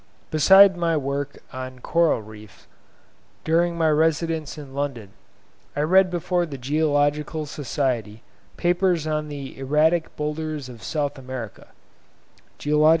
Besides my work on coral reefs, during my residence in London, I read before the Geological Society papers on the Erratic Boulders of South America ('Geolog.